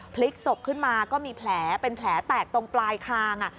พลิกศพขึ้นมาก็มีแผลเป็นแผลแตกตรงปลายคาง